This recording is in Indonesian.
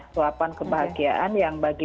luapan kebahagiaan yang bagi